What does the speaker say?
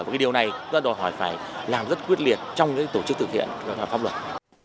và điều này rất đòi hỏi phải làm rất quyết liệt trong những tổ chức thực hiện các pháp luật